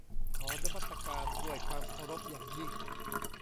ขอนมัสการด้วยความเคารพอย่างยิ่ง